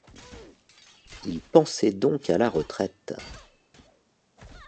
Il pensait donc à la retraite.